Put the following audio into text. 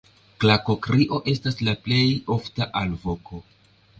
Klakokrio estas la plej ofta alvoko.